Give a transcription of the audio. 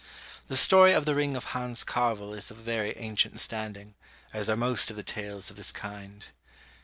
The story of the ring of Hans Carvel is of very ancient standing, as are most of the tales of this kind.